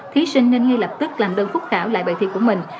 thí sinh nên ngay lập tức làm đơn phúc khảo lại bài thi của mình